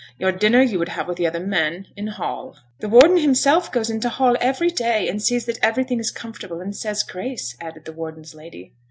Your dinner you would have with the other men, in hall.' 'The warden himself goes into hall every day, and sees that everything is comfortable, and says grace,' added the warden's lady.